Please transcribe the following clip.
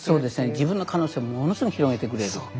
自分の可能性をものすごく広げてくれる。